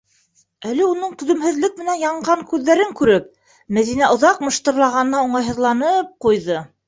Әле уның түҙемһеҙлек менән янған күҙҙәрен күреп, Мәҙинә оҙаҡ мыштырлағанына уңайһыҙланып ҡуйҙы.